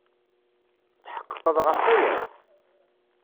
Tetḥeqqeḍ ɣef waya?